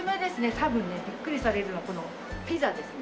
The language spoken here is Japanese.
多分ねビックリされるのはこのピザですね。